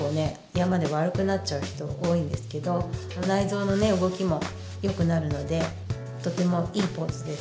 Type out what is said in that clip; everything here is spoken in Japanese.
山で悪くなっちゃう人多いんですけど内臓の動きもよくなるのでとてもいいポーズです。